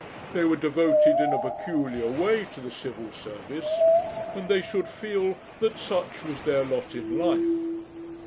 They were devoted in a peculiar way to the Civil Service, and they should feel that such was their lot in life.